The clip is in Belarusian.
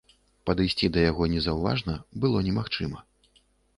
Падысці да яго незаўважна было немагчыма.